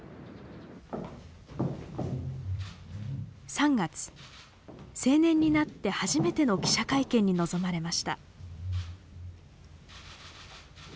３月成年になって初めての記者会見に臨まれました。